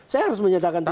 saya harus menyatakan tidak